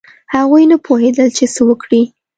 هغوی نه پوهېدل چې څه وکړي.